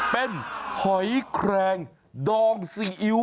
เป็นหอยแครงดองซีอิ๊ว